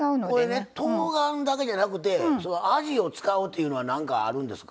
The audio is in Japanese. これねとうがんだけじゃなくてあじを使うというのはなんかあるんですか？